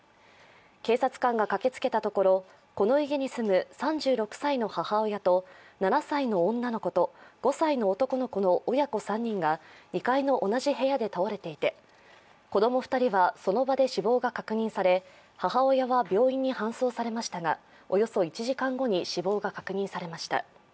警察官が駆けつけたところ、この家に住む３６歳の母親と７歳の女の子と５歳の男の子の親子３人が２階の同じ部屋で倒れていて子供２人はその場で死亡が確認され母親は病院に搬送されましたがおよそ１時間後に死亡が確認されました。